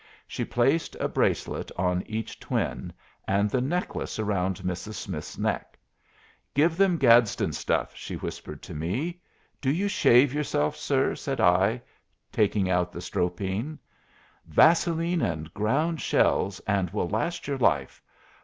She placed a bracelet on each twin, and the necklace upon Mrs. Smith's neck. "Give him Gadsden's stuff," she whispered to me. "Do you shave yourself, sir?" said I, taking out the Stropine. "Vaseline and ground shells, and will last your life.